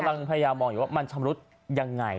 คือเรากำลังพยายามมองอยู่ว่ามันชำรุดยังไง